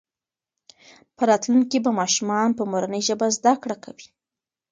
په راتلونکي کې به ماشومان په مورنۍ ژبه زده کړه کوي.